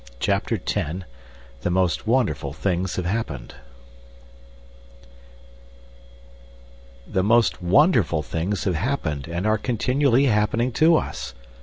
CHAPTER X "The most Wonderful Things have Happened" The most wonderful things have happened and are continually happening to us.